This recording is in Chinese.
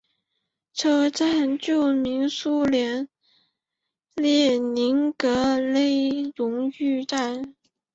车站旧名苏联列宁格勒荣誉站。